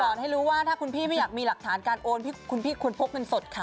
ให้รู้ว่าถ้าคุณพี่ไม่อยากมีหลักฐานการโอนคุณพี่ควรพกเงินสดค่ะ